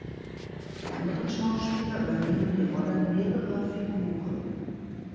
Die anderen Schauspieler übernehmen die Rollen mehrerer Figuren.